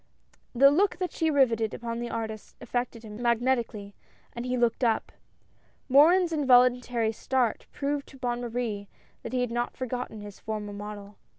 The look that she riveted upon the artist affected him magnetically, and he looked up. Morin's involuntary start, proved to Bonne Marie that he had not forgotten his former model.